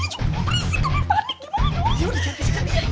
ternyata kamu arman jalan dibagi semua ini